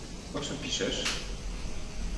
O czym piszesz?